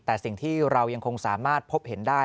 แต่สิ่งที่เรายังคงสามารถพบเห็นได้